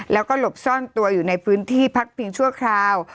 แล้วก็หลบซ่อนตัวอยู่ในพื้นที่พักพิงชั่วคราว